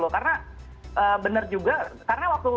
karena benar juga